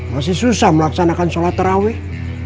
masih susah melaksanakan sholat terawih